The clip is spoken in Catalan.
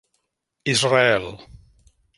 Israel.